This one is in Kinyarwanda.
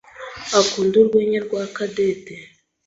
akunda urwenya rwa Cadette.